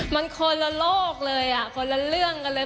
มันคนละโลกเลยคนละเรื่องกันเลย